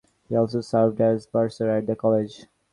He also served as Bursar at the College.